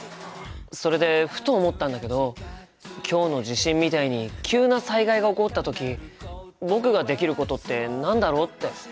それでふと思ったんだけど今日の地震みたいに急な災害が起こった時僕ができることって何だろうって。